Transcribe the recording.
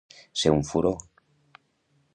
Ser un furor.